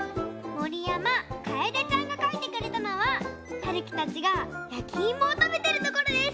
もりやまかえでちゃんがかいてくれたのははるきたちがやきいもをたべてるところです！